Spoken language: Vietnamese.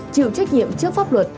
chịu trách nhiệm trước pháp luật